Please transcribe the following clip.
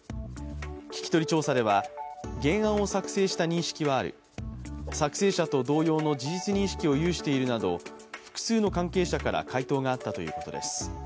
聞き取り調査では、原案を作成した認識はある、作成者と同様の事実認識を有しているなど複数の関係者から回答があったということです。